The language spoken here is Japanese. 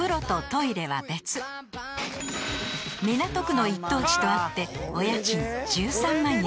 ［港区の一等地とあってお家賃１３万円］